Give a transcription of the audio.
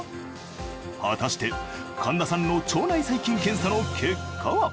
果たして神田さんの腸内細菌検査の結果は？